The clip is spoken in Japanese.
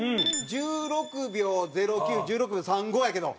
１６秒０９１６秒３５やけど。